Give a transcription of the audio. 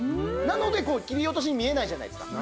なので切り落としに見えないじゃないですか。